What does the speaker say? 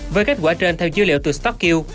với kết quả trên theo dữ liệu từ stocku